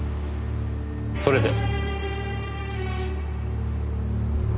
それで？